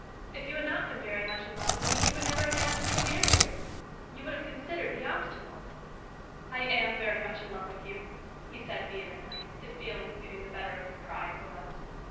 If you had not been very much in love with me, you would never have asked me to marry you. You would have considered the obstacles." "I am very much in love with you," he said vehemently, his feelings getting the better of his pride for once.